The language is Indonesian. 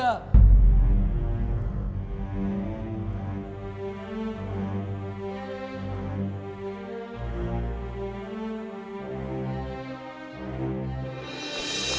kartuk jangan tekanku